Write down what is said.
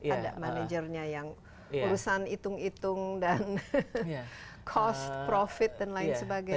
ada manajernya yang urusan hitung hitung dan cost profit dan lain sebagainya